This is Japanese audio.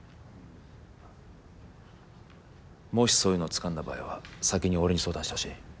もしそういうのをつかんだ場合は先に俺に相談してほしい。